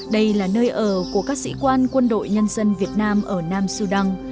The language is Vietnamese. đây là nơi ở của các sĩ quan quân đội nhân dân việt nam ở nam sudan